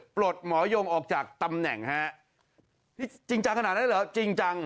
ปลดหมอยงออกจากตำแหน่งฮะนี่จริงจังขนาดนั้นเหรอจริงจัง